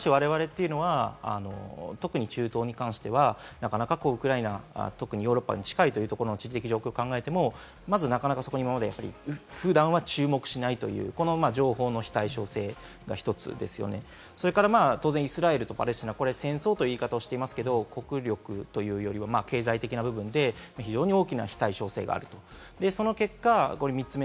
しかし我々というのは特に中東に関しては、なかなかウクライナ、特にヨーロッパに近いというところの地理的状況から考えてもまずまず、なかなか普段は注目しない情報の非対称性が１つ、それから当然、イスラエルとパレスチナ、戦争という言い方をしていますけれども、戦争という言い方をしていますけれども、国力・経済力で非対称性がある。